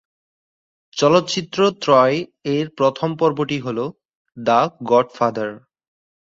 চলচ্চিত্র ত্রয় এর প্রথম পর্বটি হল, দ্য গডফাদার।